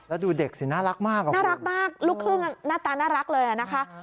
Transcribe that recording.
แล้วดูเด็กสิน่ารักมากน่ารักมากลูกครึ่งหน้าตาน่ารักเลยนะคะ